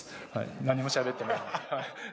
何もしゃべってない。